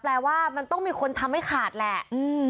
แปลว่ามันต้องมีคนทำให้ขาดแหละ